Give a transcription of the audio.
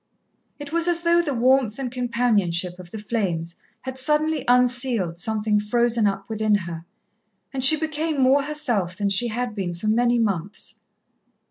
It was as though the warmth and companionship of the flames had suddenly unsealed something frozen up within her, and she became more herself than she had been for many months.